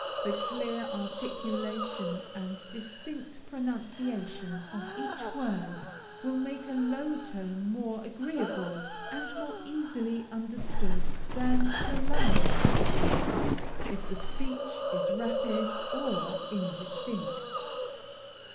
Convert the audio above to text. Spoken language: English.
The clear articulation and distinct pronunciation of each word, will make a low tone more agreeable and more easily understood, than the loudest tone, if the speech is rapid or indistinct.